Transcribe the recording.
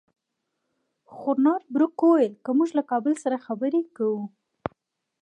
خو نارت بروک وویل که موږ له کابل سره خبرې کوو.